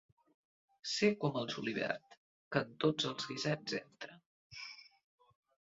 Ser com el julivert, que en tots els guisats entra.